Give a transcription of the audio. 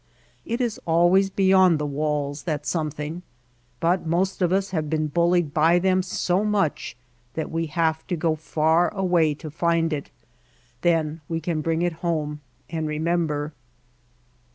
It is always beyond the walls, that something, but most of us have been bullied by them so much that we have to go far away to find it; then we can bring it home and remember.